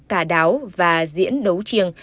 cà đáo và diễn đấu chiêng